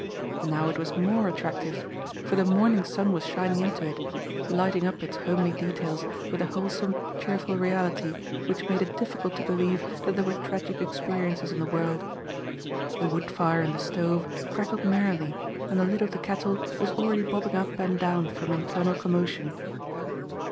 Now it was more attractive for the morning sun was shining into it, lighting up its homely details with a wholesome, cheerful reality which made it difficult to believe that there were tragic experiences in the world. The wood fire in the stove crackled merrily, and the lid of the kettle was already bobbing up and down from internal commotion.